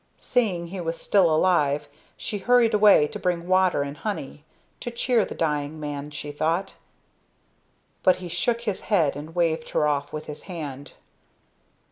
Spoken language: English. Seeing he was still alive, she hurried away to bring water and honey to cheer the dying man, she thought. But he shook his head and waived her off with his hand.